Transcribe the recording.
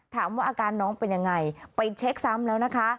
อาการน้องเป็นยังไงไปเช็คซ้ำแล้วนะคะ